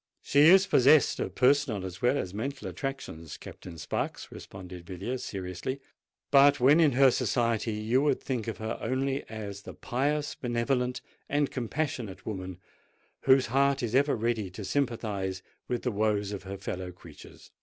"She is possessed of personal as well as mental attractions, Captain Sparks," responded Villiers seriously. "But, when in her society, you would think of her only as the pious—benevolent—and compassionate woman, whose heart is ever ready to sympathise with the woes of her fellow creatures."